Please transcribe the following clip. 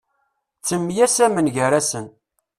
Ttemyasamen gar-asen.